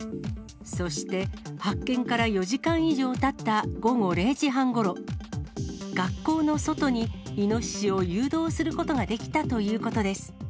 そして発見から４時間以上たった午後０時半ごろ、学校の外にイノシシを誘導することができたということです。